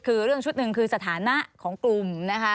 คือเรื่องชุดหนึ่งคือสถานะของกลุ่มนะคะ